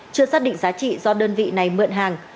chưa xác định giá trị do đơn vị này mượn hàng